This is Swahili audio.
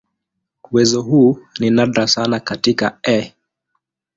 Uwezo huu ni nadra sana katika "E.